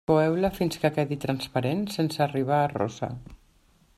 Coeu-la fins que quedi transparent, sense arribar a rossa.